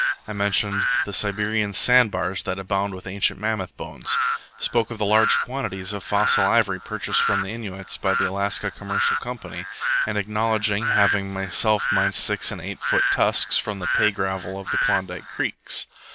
I mentioned the Siberian sand bars that abounded with ancient mammoth bones; spoke of the large quantities of fossil ivory purchased from the Innuits by the Alaska Commercial Company; and acknowledged having myself mined six and eight foot tusks from the pay gravel of the Klondike creeks.